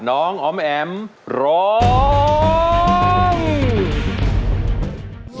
น้องออมแอ๋มร้อง